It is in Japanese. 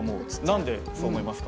何でそう思いますか？